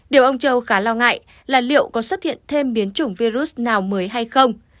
điều ông châu khá lo ngại là liệu có xuất hiện thêm biến chủng virus nào mới hay không